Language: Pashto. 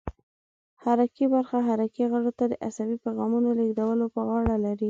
حرکي برخه حرکي غړو ته د عصبي پیغامونو لېږدولو په غاړه لري.